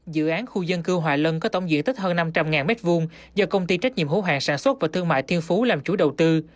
dự án khu dân cư hòa lân có tổng diện tích hơn năm trăm linh m hai do công ty trách nhiệm hữu hàng sản xuất và thương mại thiên phú làm chủ đầu tư